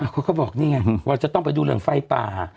เขาก็บอกนี่ไงว่าจะต้องไปดูเรื่องไฟป่า